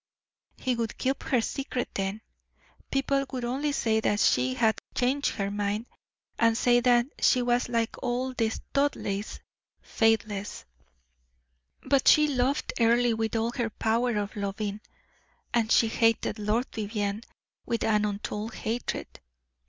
He would keep her secret then. People would only say that she had changed her mind, and say that she was like all the Studleighs faithless. But she loved Earle with all her power of loving, and she hated Lord Vivianne with an untold hatred.